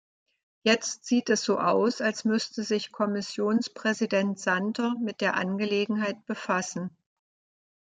Jetzt sieht es so aus, als müsste sich Kommissionspräsident Santer mit der Angelegenheit befassen.